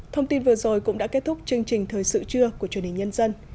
thông tin vừa rồi cũng đã kết thúc chương trình thời sự trưa của truyền hình nhân dân